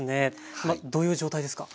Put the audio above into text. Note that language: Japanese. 今どういう状態ですか？